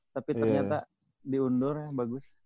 tapi ternyata diundur bagus